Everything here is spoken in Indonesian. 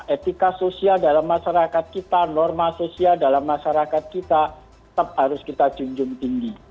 etika sosial dalam masyarakat kita norma sosial dalam masyarakat kita tetap harus kita junjung tinggi